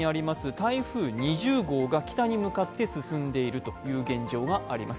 台風２０号が北に向かって進んでいる現状があります。